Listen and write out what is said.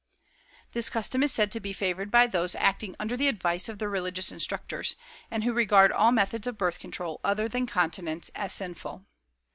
This custom is said to be favored by those acting under the advice of their religious instructors, and who regard all methods of birth control other than continence as sinful.